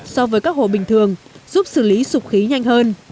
so với các hồ bình thường giúp xử lý sụp khí nhanh hơn